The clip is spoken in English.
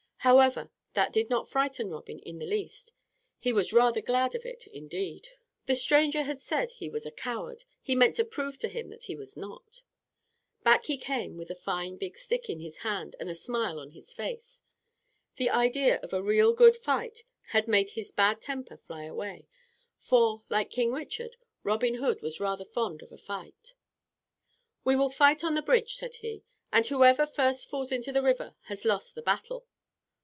However, that did not frighten Robin in the least. He was rather glad of it indeed. The stranger had said he was a coward. He meant to prove to him that he was not. Back he came with a fine big stick in his hand and a smile on his face. The idea of a real good fight had made his bad temper fly away, for, like King Richard, Robin Hood was rather fond of a fight. "We will fight on the bridge," said he, "and whoever first falls into the river has lost the battle."